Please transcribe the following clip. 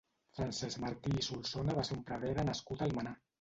Francesc Martí i Solsona va ser un prevere nascut a Almenar.